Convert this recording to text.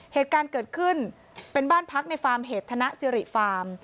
เหตุการณ์เกิดขึ้นเป็นบ้านพักในฟาร์มเหตุธนสิริฟาร์ม